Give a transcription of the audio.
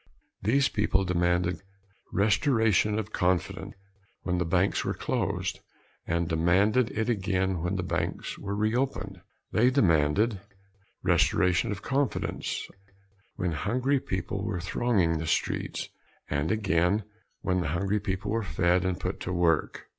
These people demanded "restoration of confidence" when the banks were closed and demanded it again when the banks were reopened. They demanded "restoration of confidence" when hungry people were thronging the streets and again when the hungry people were fed and put to work.